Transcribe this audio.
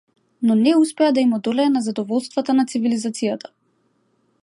Но не успеа да им одолее на задоволствата на цивилизацијата.